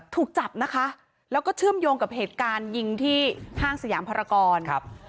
ถูกจับนะคะแล้วก็เชื่อมโยงกับเหตุการณ์ยิงที่ห้างสยามภารกรครับ